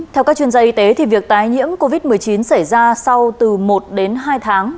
theo các chuyên gia y tế việc tái nhiễm covid một mươi chín xảy ra sau từ một đến hai tháng